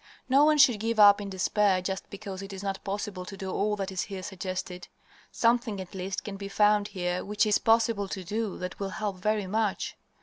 No one should give up in despair just because it is not possible to do all that is here suggested. Something, at least, can be found here which it is possible to do that will help very much.